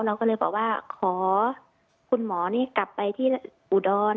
เราก็เลยบอกว่าขอคุณหมอนี่กลับไปที่อุดร